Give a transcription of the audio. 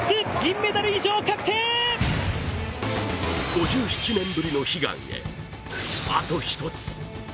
５７年ぶりの悲願へ、あと１つ。